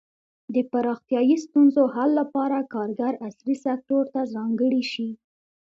د پراختیايي ستونزو حل لپاره کارګر عصري سکتور ته ځانګړي شي.